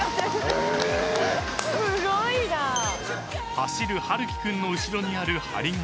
［走る陽樹君の後ろにある張り紙］